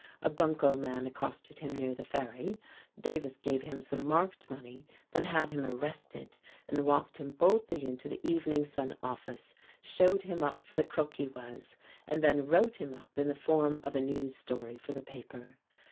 A bunco man accosted him near the ferry. Davis gave him some marked money, then had him arrested and walked him boldly into the Evening Sun office, showed him up for the crook he was and then wrote him up in the form of a news story for the paper.